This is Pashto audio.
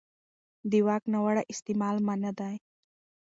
د واک ناوړه استعمال منع دی.